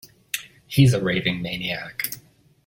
He's a raving maniac.